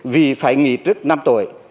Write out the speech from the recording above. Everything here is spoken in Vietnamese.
vì phải nghỉ trước năm tuổi